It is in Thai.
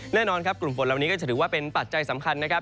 แน่นอนครับกลุ่มฝนเหล่านี้ก็จะถือว่าเป็นปัจจัยสำคัญนะครับ